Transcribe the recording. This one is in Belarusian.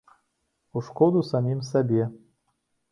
У шкоду самім сабе.